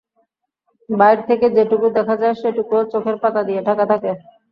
বাইরে থেকে যেটুকু দেখা যায়, সেটুকুও চোখের পাতা দিয়ে ঢাকা থাকে।